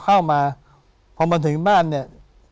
เข้ามาพอมาถึงบ้านเนี่ย